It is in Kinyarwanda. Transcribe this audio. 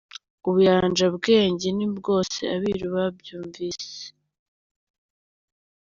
ubuyanja ubwenge ni bwose”. Abiru babyumvise